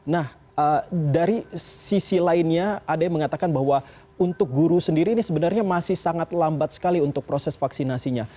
nah dari sisi lainnya ada yang mengatakan bahwa untuk guru sendiri ini sebenarnya masih sangat lambat sekali untuk proses vaksinasinya